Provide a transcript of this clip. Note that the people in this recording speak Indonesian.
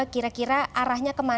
kira kira arahnya kemana